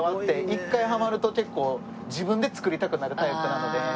一回ハマると結構自分で作りたくなるタイプなので。